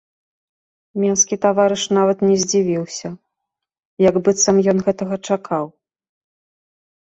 Менскі таварыш нават не задзівіўся, як быццам ён гэтага чакаў.